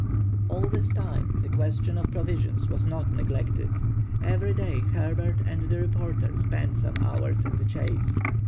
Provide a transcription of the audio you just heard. All this time, the question of provisions was not neglected. Every day Herbert and the reporter spent some hours in the chase.